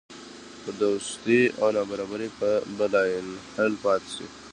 فرودستي او نابرابري به لاینحل پاتې شي.